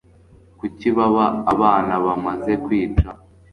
kuki baba abana bamaze kwica